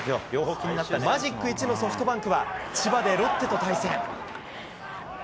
マジック１のソフトバンクは、千葉でロッテと対戦。